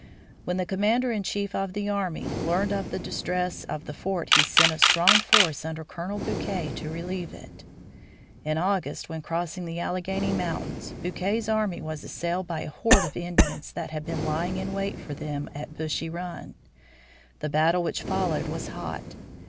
When the commander in chief of the army learned of the distress of the fort he sent a strong force under Colonel Bouquet to relieve it. In August, when crossing the Alleghany Mountains, Bouquet's army was assailed by a horde of Indians that had been lying in wait for them at Bushy Run. The battle which followed was hot.